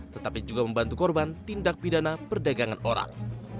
tetapi juga membantu korban tindak pidana perdagangan orang